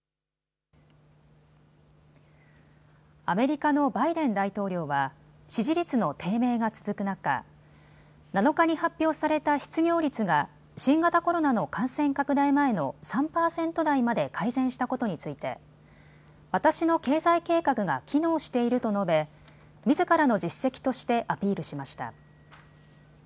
アメリカのバイデン大統領は支持率の低迷が続く中、７日に発表された失業率が新型コロナの感染拡大前の３％台まで改善したことについて私の経済計画が機能していると述べ、みずからの実績としてアピールしました。